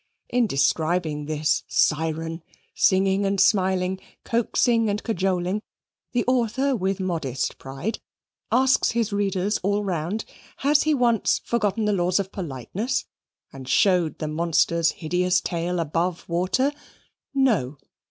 In describing this Siren, singing and smiling, coaxing and cajoling, the author, with modest pride, asks his readers all round, has he once forgotten the laws of politeness, and showed the monster's hideous tail above water? No!